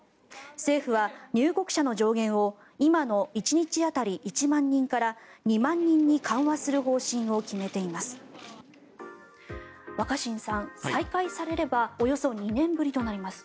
政府は入国者の上限を今の１日当たり１万人から２万人に緩和する方針を決めています。